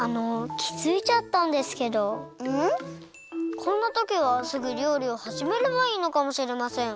こんなときはすぐりょうりをはじめればいいのかもしれません。